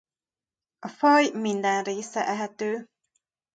A faj minden része ehető.